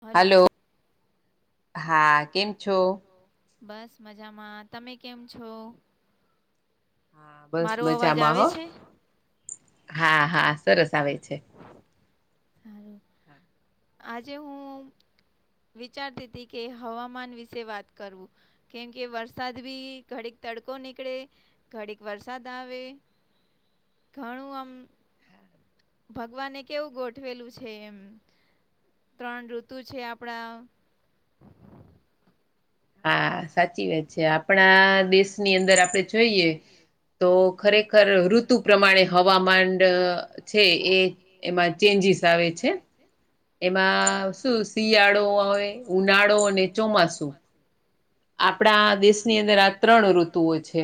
Hello, હા કેમ છો? બસ મજામાં તમે કેમ છો? મારો અવાજ આવે છે. હા હા સરસ આવે છે. હારું. આજે હું વિચારતી હતી કે હવામાન વિશે વાત કરવું. કેમકે વરસાદ બી ઘડીક તડકો નીકળે. ઘડીક વરસાદ આવે ઘણું આમ ભગવાને કેવું ગોઠવેલું છે એમ, ત્રણ ઋતુ છે આપણા, હા સાચી વાત છે આપણા દેશની અંદર આપણે જોઈએ. તો ખરેખર ઋતુ પ્રમાણે હવામાન છે એ, એમાં ચેન્જીસ આવે છે. એમાં શું શિયાળો આવે, ઉનાળો અને ચોમાસું. આપણા દેશની અંદર આ ત્રણ ઋતુઓ છે.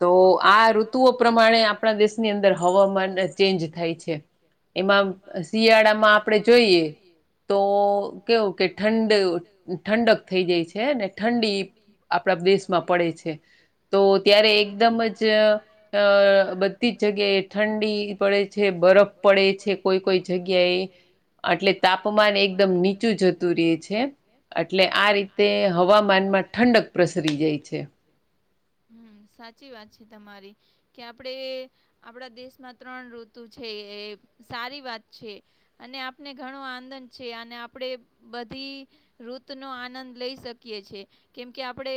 તો આ ઋતુઓ પ્રમાણે આપણા દેશની અંદર હવામાન ચેન્જ થાય છે. એમાં શિયાળામાં આપડે જોઈએ. તો કેવું કે ઠંડ ઠંડક થઈ જાય છે હે ને ઠંડી આપડા દેશમાં પડે છે તો ત્યારે એકદમ જ અ બધી જ જગ્યાએ ઠંડી પડે જે બરફ પડે છે કોઈ કોઈ જગ્યાએ. અટલે તાપમાન એકદમ નીચું જતું રે છે એટલે આ રીતે ને હવામાનમાં ઠંડક પ્રસરી જાય છે. હું સાચી વાત છે તમારી. કે આપડે આપડા દેશમાં ત્રણ ઋતુ છે એ સારી વાત છે. અને આપને ઘણો આનંદ છે અને આપડે બધી ઋતુ નો આનંદ લઈ શક કિયે છે કેમ કે આપડે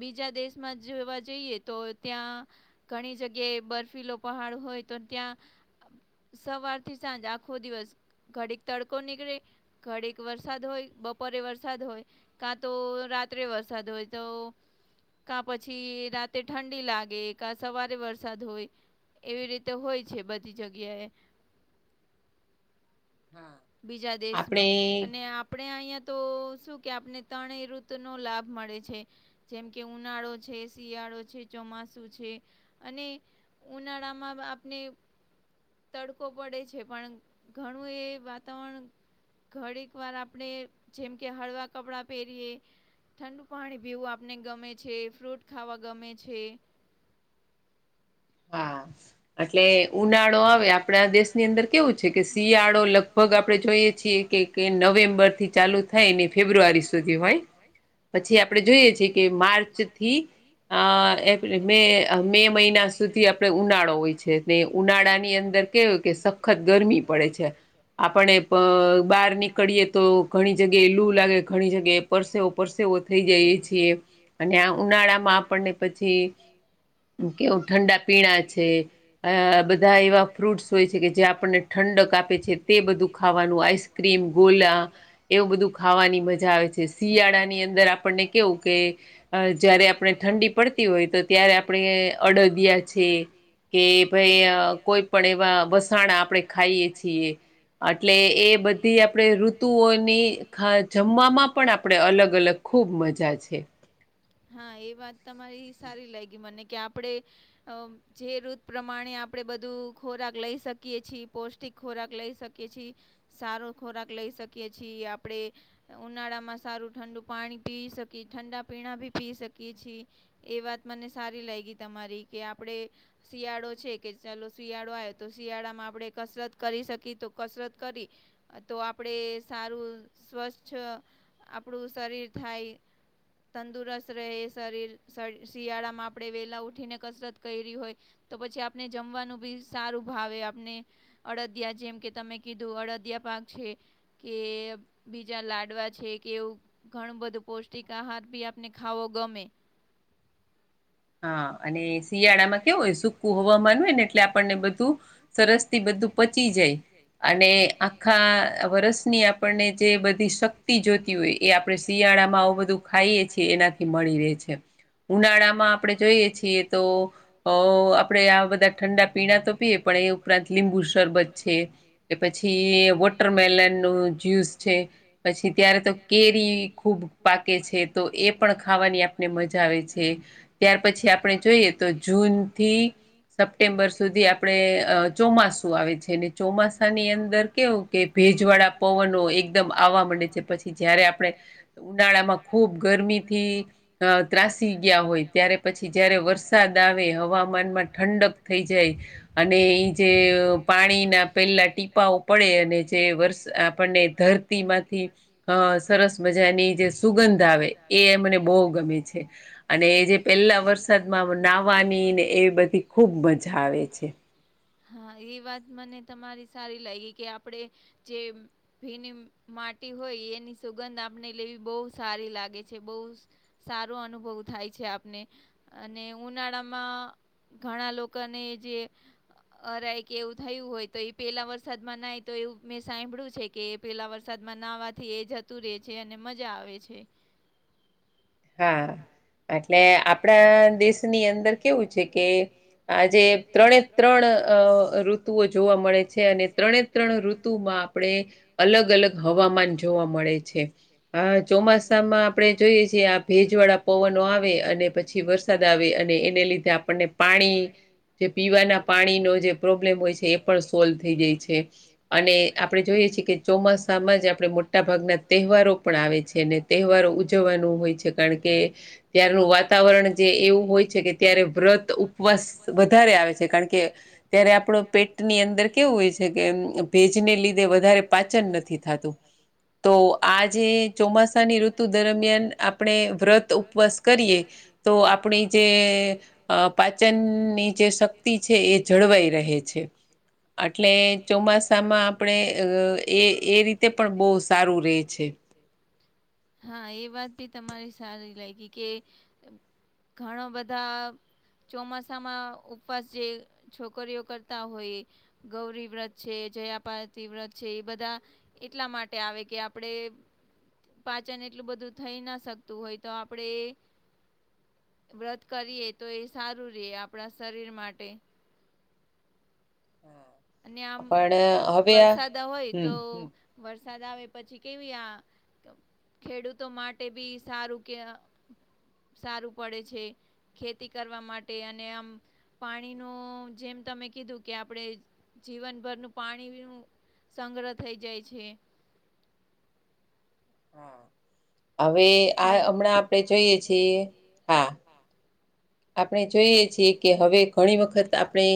બીજા દેશમાં જોવા જઈએ તો ત્યાં ઘણી જગ્યાએ બર્ફીલો પહાડ હોય તો ત્યાં સવારથી સાંજ આખો દિવસ ઘડીક તડકો નીકળે ઘડીક વરસાદ હોય બપોરે વરસાદ હોય તો રાત્રે વરસાદ હોય તો કા પછી રાતે ઠંડી લાગે કા સવારે વરસાદ હોય એવી રીતે હોય છે બધી જગ્યાએ. [inaudible] બીજા દેશમાં અને આપ પડે અઈયા તો શું કે આપને ત્રણેય ઋતુ નો લાભ મળે છે. જેમ કે ઉનાળો છે શિયાળો છે ચોમાસું છે અને ઉનાળા માં આપને તડકો પડે છે પણ ઘણું એ વાત તણ ઘડીક વાર આપણે જેમ કે હળવા કપડાં પેરીએ ઠંડુ પાણી પીવું આપને ગમે છે ફ્રૂટ ખાવા ગમે છે. પાચ. એટલે ઉનાળો આવે આપડા દેશની અંદર કેવું છે કે શિયાળો લગભગ આપડે જોઈએ છીએ છે કે કે નવેમ્બરથી ચાલુ થાય ને ફેબ્રુઆરી સુધી હોય. પછી આપડે જોઈએ છીએ કે માર્ચથી અ એક લીપે મે મઈના સુધી. સુધી આપડે ઉનાળો હોય છે તે ઉનાળા ની અંદર કેવુ કે સખત ગરમી પડે છે આપડે બ બાર નીકળીએ કળીએ તો ઘણી જગ્યાએ રૂંવાડે ધણી જગ્યાએ પછીઓ પછીનો થઈ જાય છે. અને આ ઉનાળામાં આપણને પછી કેવું ઠંડા પીણા છે અ બધુ ધા એવા ફ્રૂટ્સ હોય છે કે જે આપણને ઠંડક આપે છે તે બધું ખાવાનું આઈસક્રીમ ગોલા એવું બધું ખાવાની મજા આવે છે શિયાળાની અંદર આપણને કેવું કે અ જયારે આપડે ઠંડી પડતી હોય તો ત્યારે આપણે અડદ દિયા છે કે ભઈ અ કોઈ પણ એવા વસાણા આપડે ખાઈએ છીએ. એટલે એ બધી આપડે ઋતુઓની ખા જમવામાં પણ આપડે અલગ અલગ ખૂબ મજા છે. હા એ વાત તમારી સારી લાયગી મને કે આપડે અ જે ઋતુ પ્રમાણે આપ પડે બધું ખોરાક લઈ શકીએ છી પૌષ્ટિક ખોરાક લઈ શકીયે છીએ. સારો ખોરાક લઈ શકીએ છીએ આપડે ઉનાળામાં સારું ઠંડુ પાણી પી શકી ઠંડા પીણા ભી પી શકી છીએ. એ વાત મને સારી લાયગી તમારી કે આપડે શિયાળો છે. કે ચલો શિયાળો આયો તો શિયાળામાં આપડે કસરત કરી શકી તો કસરત કરી. તો આપડે સારું સ્વચછ આપડું શરીર થાય. તંદુરસ્ત રહે શરીર શર શિયાળામાં આપડે વહેલા ઉઠીને કસરત કયરી હોય તો પછી આપને જમવાનું બી સારું ભાવે આપને. અડદિયા જેમ કે તમે કીધું અડદિયા પાક છે. કે બીજા લાડવા છે કે એવું. ઘણું બધું પૌષ્ટિક આહાર ભી આપને ખાવો ગમે. હા અને શિયાળામાં કેવું હોય સુકું હવામાન હોય ને એટલે આપણને બધું સરસ થી બધું પચી જાય અને આખા વરષની આપણને જે બધી શક્ જોતી હોય એ આપણે શિયાળામાં આવું બધું ખાઈએ છીએ એનાથી મળી રહે છે. ઉનાળામાં આપણે જોઈએ છીએ તો અ આપણેે આ બધા ઠંડા પીણા તો પીએ પણ એ ઉપરાંત લીંબુ શરબત છે. કે પછી વોટરમેલન નું જ્યુસ છે પછી ત્યારે તો કેરી ખૂબ પાકે છે તો એ પણ ખાવાની મજા છે ત્યાર પછી આપણે જોઈએ. જોઈએ તો જૂનથી સપ્ટેમ્બર સુધી આપડણે અ ચોમાસું આવે છે અને ચોમાસાની અંદર કેવું. કે ભેજવાળા પવનો એકદમ આવા માંડે છે પછી જયારે આપણે ઉનાળામાં ખૂબ ગરમી થી અ ત્રાસી ગયા હોય ત્યારે પછી જયારે વરસાદ આવે હવામાનમાં ઠંડક થઈ જાય અને એ જે પાણીના પહેલા ટીપાઓ પડે અને જે વર્ષ આપણને ધરતી માંથી અ સરસ મજાની જે સુગંધ આવે એ મને બહુ ગમે છે અને એ જે પેલા વરસાદમાં નાહવાની ને એવી બધી ખુબ મજા આવે છે. એ વાત મને સારી લાગી કે આપડે જે ભીની માટી હોય એની સુગંધ આપણે લેવી બોવ સારી લાગે છે બોસ સારો અનુભવ થાય છે આપને, અને ઉનાળા માં ઘણા લોકોને એ જે અરાય કે એવું થયું હોય તો ઈ પેલા વરસાદમાં નાય તો એવું મેં સાંભળ્યું છે કે પેલા વરસાદમાં નાવાથી એ જતું રે છે, અને મજા આવે છે. હા, એટલે આપળા દેશની અંદર કેવું છે કે આજે ત્રણે ત્રણ અ ઋતુઓ જોવા મળે છે અને ત્રણે ત્રણ ઋતુમાં આપળે અલગ અલગ હવામાન જોવા મળે છે આ ચોમાસામાં આપળે જોઈએ છીએ આ ભેજ ભેજ વાળા પવનો આવે અને પછી વરસાદ આવે અને એને લીધે આપણને પાણી જે પીવાના પાણીનો જે પ્રોબ્લેમ હોય છે એ પણ સોલ થઈ જાય છે, અને આપળે જોઈએ છે કે ચોમાસામાં જ આપળે મોટા ભાગના તેહવારો પણ આવે છે ને તેહવારો ઉજવવાનું હોય છે કારણ કે ત્યારનું વાતાવરણ જે એવું હોય છે કે ત્યારે વ્રત ઉપવાસ વધારે આવે છે કારણ કે ત્યારે આપળુ પેટની અંદર કેવું હોય છે કે ભેજને લીધે વધારે પાચન નથી થા તુ તો આજે ચોમાસાની ઋતુ દરમિયાન આ પળે વ્રત ઉપવાસ કરીએ તો આપણી જે અ પાચનની જે શ ક્તિ છે એ જળવાઈ રહે છે અટલે ચોમાસામાં આપળે અ એ રીતે પણ બો સારું રે છે. હા, એ વાત ભી તમારી સારી લાયગી કે અમ ઘણા બધા ચોમાસામાં ઉપવાસ જે છોકરીઓ કરતા હોય ગૌરી વ્રત છે, જયાપારતી વ્રત છે, એ બધા. એટલા માટે આવે કે આપળે પાચન એટલું બધું થય ના શકતું હોય તો આપળે વ્રત કરીએ તો એ સારું રે આપળા શરીર માટે અને આમ વરસાદા હોય તો વરસાદ આવે પછી કેવી આ અ ખેડૂતો માટે બી સારું કે અ સારું પડે છે ખેતી કરવા માટે અને આમ પાણીનું જેમ તમે કીધું કે આપળે જીવનભરનું પાણીવીનું સંગ્રહ થઈ જાય છે. અવે આ અમણાં આપળે જોઈએ છીએ, હા આપણે જોઈએ છીએ કે, હવે ઘણી વખત આપળે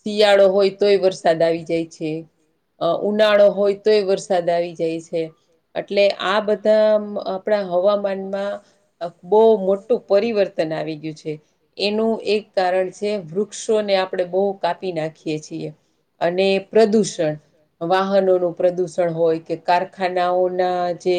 શિયાળો હોય તોએ વરસાદ આવી જાય છે અ ઉનાળો હોય તોએ વરસાદ આવી જાય છે, અટલે આ બધા આમ અ આપળા હવામાનમાં અ બો મોટું પરિવર્તન આવી ગ્યું છે એનું એક કારણ છે વૃક્ષોને આપળે બો કાપી નાખીએ છીએ અને પ્રદુષણ, વાહનોનું પ્રદુષણ હોય કે કારખાનાઓના જે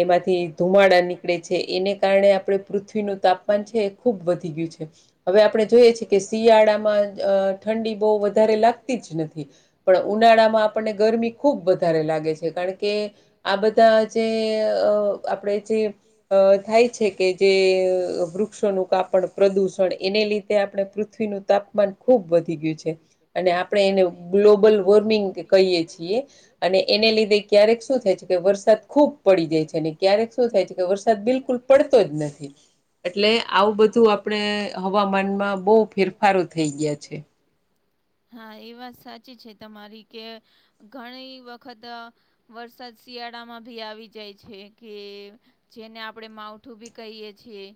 એમાંથી ધુમાડા નીકળે છે એને કરણે આપળુ પૃથ્વીનું તાપમાન છે ખુબ વધી ગ્યું છે અવે આપળે જોઈએ છે કે શિયાળામાં અ ઠંડી બો વધારે લાગતી જ નથી પણ ઉનાળામાં આપણને ગરમી ખુબ વધારે લાગે છે, કારણ કે આ બધા જે અ આપળે જે અ થાય છે કે જે વૃક્ષોનું કાપડ પ્રદુષણ એને લીધે આપળે પૃથ્વીનું તાપમાન ખુબ વધી ગ્યું છે, અને આપ ળે એને ગ્લોબલ વોર્મિંગ કૈએ છીએ અને એને લીધે ક્યારેક શું થાય છે કે વરસાદ ખૂબ પળી જાય છે અને ક્યારેક શું થાય છે કે વરસાદ બિલકુલ પડતો જ નથી. એટલે આવું બધું આપળે હવામાનમાં બો ફેરફારો થઈ ગ્યા છે. હા, એ વાત સાચી છે તમારી કે, ઘણી વખત વરસાદ શિયાળામાં ભી આવી જાય છે કે જેને આપણે માવઠું બી કહીએ છીએ.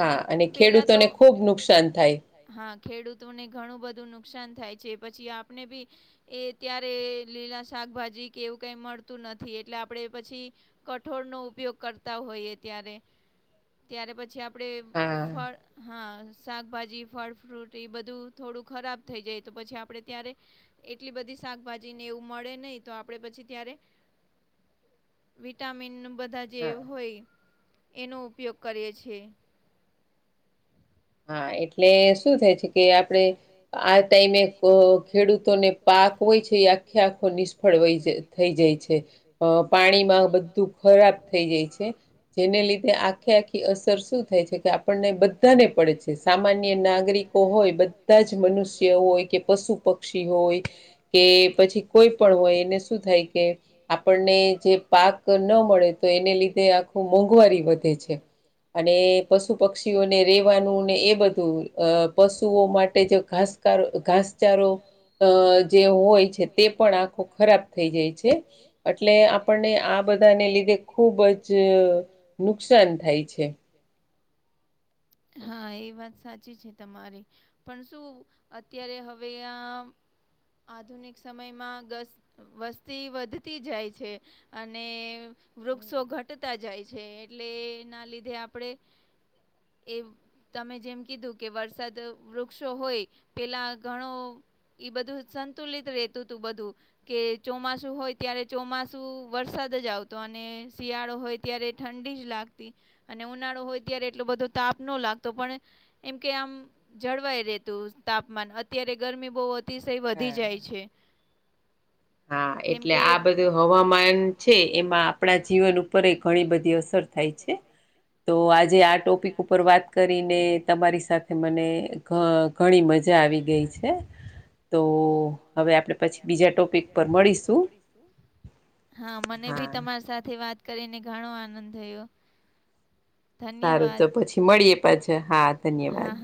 અને પેલા તો ને ખુબ નુકસાન હા, ખેડૂતોને ઘણું બધું નુકસાન થાય છે, પછી આપને બી એ ત્યારે લીલા શાકભાજી કે, એવું કાઈ મળતું નથી, એટલે આપડે પછી કઠોળ નો ઉપયોગ કરતા હોઈએ, ત્યારે ત્યારે પછી આપડે ફળ હા શાકભાજી, ફળ, ફ્રૂટ એ બધું થોડું ખરાબ થઈ જાય, તો પછી આપડે ત્યારે એટલી બધી શાકભાજીને એવું મળે નહી તો, આપડે પછી ત્યારે વિટામિન બધા જે હોય, એનો ઉપયોગ કરીએ છે. હા, એટલે શું થાય છે કે? આપડે આ ટાઈમે ખેડૂતોને પાક હોય છે, એ આખે આખો નિષ્ફળ વય થઈ જાય છે, પાણીમાં બધું. ખરાબ થઈ જાય છે, જેને લીધે આખી આખી અસર શું થાય છે કે? આપણને, બધાને પડે છે સામા ને નાગરિકો હોય, બધા જ મનુષ્ય હોય કે, પશુ- પક્ષી હોય. કે પછી, કોઈ પણ હોય એને શું થાય કે આપણને જે પાક પાક ન મળે તો, એને લીધે આખું મોંઘવારી વધે. અને પશુ પક્ષીઓને રેવાનું ને, એક [unintelligible] અ પશુઓ માટે જે ઘાસકારો, ઘાસચારો અ જે હોય. તે પણ આખો ખરાબ થઈ જાય છે. એટલે, આપણને આ બધાને લીધે ખુબ જ, નુકસાન થાય છે. હા, એ વાત સાચી છે, તમારી. પણ શું, અત્યારે હવે આ આધુનિક સમયમાં ગસ વસ્તી વધતી જાય છે. અને વૃક્ષો ઘટતા જાય છે. એટલે, એના લીધે આપણે એ તમે જેમ કીધું કે, વરસાદ વૃક્ષો હોય પેલા ઘણો ઈ બધું, સંતુલિત રહેતું તું બધું. કે ચોમાસું હોય ત્યારે, ચોમાસું વરસાદ જ આવતો અને શિયાળો હોય ત્યારે ઠંડી જ લાગતી અને ઉનાળો હોય ત્યારે એટલો બધો તાપ ન લાગતો પણ એમ કે, આમ જળવાય રહેેતું તાપમાન અત્યારે ગરમી બો વધ અતિશય વધી જાય છે. હા, એટલે આ બધું હવામાન છે. એમાં આપણા જીવન ઉપર ઘણી બધી અસર થાય છે. તો આજે આ ટોપિક ઉપર ઉપર વાત કરીને, તમારી સાથે મને ઘ ઘણી મજા આવી ગઈ છે. તો હવે આપણે પછી, બીજા ટોપિક પર મળીશું. હા, મને ભી તમારી સાથે વાત કરીને ઘણો આનંદ થયો. ધન્યવાદ. મળીએ પાછા, હા, ધન્યવાદ.